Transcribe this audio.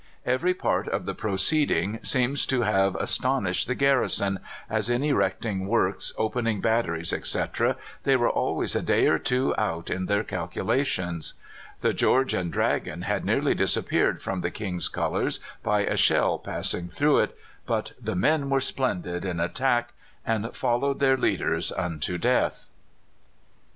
Every part of the proceeding seems to have astonished the garrison, as in erecting works, opening batteries, etc., they were always a day or two out in their calculations. The George and Dragon had nearly disappeared from the King's colours by a shell passing through it, but "the men were splendid" in attack, and followed their leaders unto death.